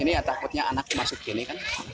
ini yang takutnya anak masuk begini kan